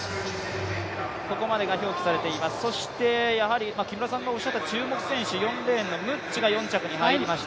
ここまでが表記されています、木村さんがおっしゃった注目選手、４レーンのムッチが４着に入りました。